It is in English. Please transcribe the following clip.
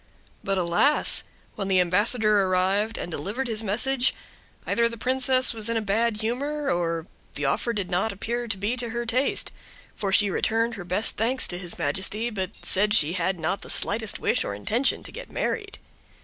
But, alas! when the ambassador arrived and delivered his message, either the princess was in bad humor, or the offer did not appear to be to her taste; for she returned her best thanks to his majesty, but said she had not the slightest wish or intention to get married.